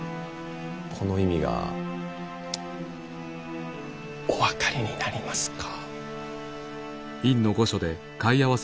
この意味がお分かりになりますか？